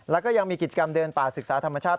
แล้วก็ยังมีกิจกรรมเดินป่าศึกษาธรรมชาติ